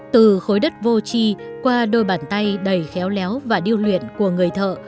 từ khối đất vô chi qua đôi bàn tay đầy khéo léo và điêu luyện của người thợ